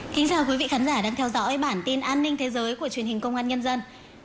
chào mừng quý vị đến với bản tin an ninh thế giới của truyền hình công an nhân dân